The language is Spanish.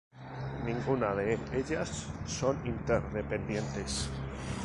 Ninguna de ellas son interdependientes.